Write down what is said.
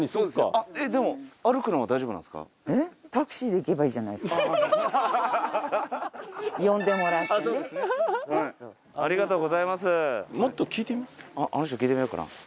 あっあの人聞いてみようかな。